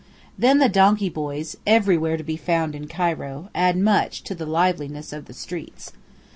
Then the donkey boys, everywhere to be found in Cairo, add much to the liveliness of the streets.